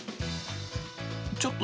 ちょっと、